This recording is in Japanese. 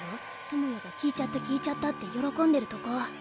智也が「聞いちゃった聞いちゃった」って喜んでるとこ。